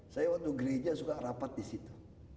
saya waktu gereja suka rapat disitu